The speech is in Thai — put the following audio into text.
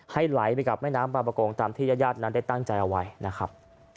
ไหลไปกับแม่น้ำบางประกงตามที่ญาติญาตินั้นได้ตั้งใจเอาไว้นะครับ